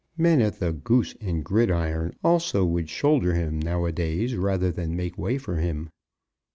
Men at the "Goose and Gridiron" also would shoulder him now a days, rather than make way for him.